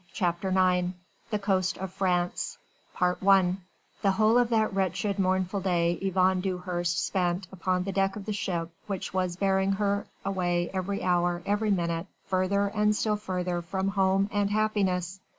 CHAPTER IX THE COAST OF FRANCE I The whole of that wretched mournful day Yvonne Dewhurst spent upon the deck of the ship which was bearing her away every hour, every minute, further and still further from home and happiness.